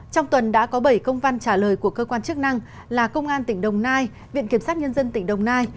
trong tuần đã có bảy công văn trả lời của cơ quan chức năng là công an tỉnh đồng nai viện kiểm sát nhân dân tỉnh đồng nai